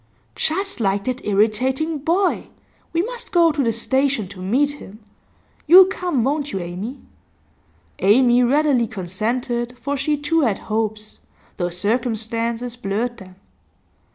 'Just like that irritating boy! We must go to the station to meet him. You'll come, won't you, Amy?' Amy readily consented, for she too had hopes, though circumstances blurred them.